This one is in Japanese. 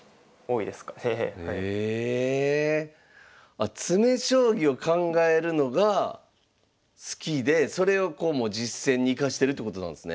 あ詰将棋を考えるのが好きでそれを実戦に生かしてるってことなんですね？